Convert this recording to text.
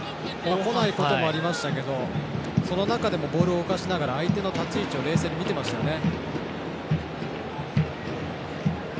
こないこともありましたけどその中でもボールを動かしながら相手の立ち位置を冷静に見てましたよね。